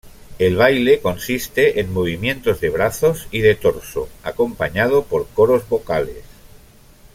El baile consiste en movimientos de brazos y de torso, acompañado por coros vocales.